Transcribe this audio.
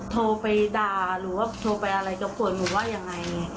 โทรไปด่าหรือว่าโทรไปอะไรกับหนูว่าอย่างไร